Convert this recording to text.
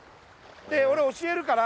俺教えるから。